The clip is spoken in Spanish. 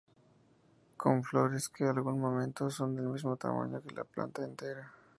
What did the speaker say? Con flores que en algún momento son del mismo tamaño que la planta entera.